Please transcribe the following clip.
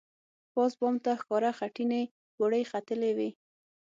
پاس بام ته ښکاره خټینې پوړۍ ختلې وې.